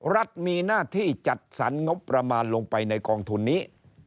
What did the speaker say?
รัฐมีหน้าที่จัดสรรงบประมาณลงไปในกองทุนนี้